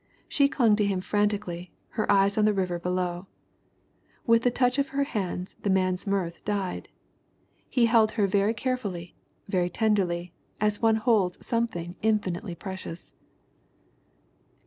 She clung to him frantically, her eyes on the river be low. With the touch of her hands the man's mirth died. He held her very carefully, very tenderly, as one holds something infinitely precious."